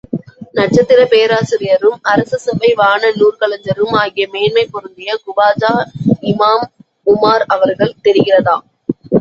நட்சத்திரப் பேராசிரியரும், அரசசபை வான நூற்கலைஞரும் ஆகிய மேன்மை பொருந்திய குவாஜா இமாம் உமார் அவர்கள், தெரிகிறதா?